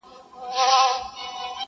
ګورته وړي غریب او خان ګوره چي لا څه کیږي!!